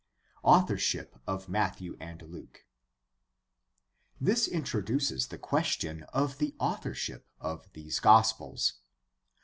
Authorship of Matthew and Luke. — This introduces the question of the authorship of these gospels.